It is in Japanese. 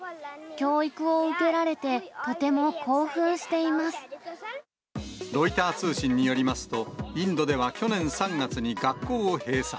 教育を受けられて、とても興奮しロイター通信によりますと、インドでは去年３月に学校を閉鎖。